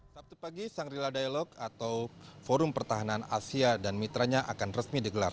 sabtu pagi shangri la dialogue atau forum pertahanan asia dan mitranya akan resmi digelar